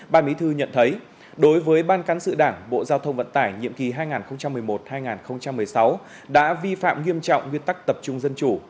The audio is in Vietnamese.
ban bí thư nhận thấy đối với ban cán sự đảng bộ giao thông vận tải nhiệm kỳ hai nghìn một mươi một hai nghìn một mươi sáu đã vi phạm nghiêm trọng nguyên tắc tập trung dân chủ